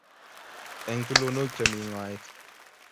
Eng' tulonok che mi ng'oet;